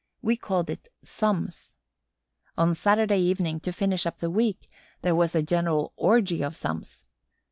We called it sums. On Saturday evening, to finish up the week, there was a general orgy of sums.